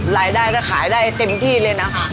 รายได้ก็ขายได้เต็มที่เลยนะคะ